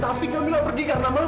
tapi kamila pergi karena mama